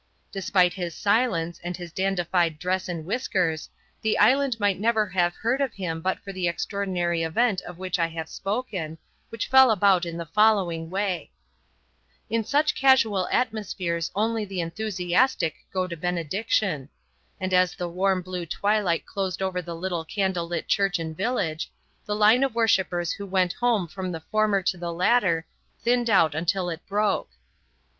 Despite his silence and his dandified dress and whiskers, the island might never have heard of him but for the extraordinary event of which I have spoken, which fell about in the following way: In such casual atmospheres only the enthusiastic go to Benediction; and as the warm blue twilight closed over the little candle lit church and village, the line of worshippers who went home from the former to the latter thinned out until it broke.